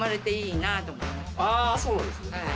そうなんですね。